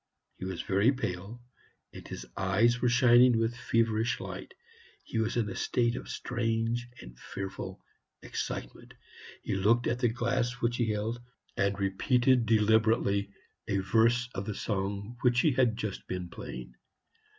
He was very pale, and his eyes were shining with feverish light. He was in a state of strange and fearful excitement. He looked at the glass which he held, and repeated deliberately a verse of the song which he had just been playing.